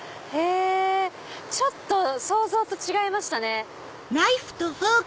ちょっと想像と違いましたね。